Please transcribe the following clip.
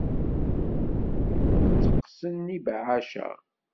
Tteqqsen yibeɛɛac-a?